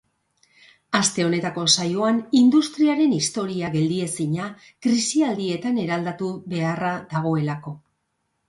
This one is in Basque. Aste honetako saioan, industriaren historia geldiezina, krisialdietan eraldatu beharra dagoelako.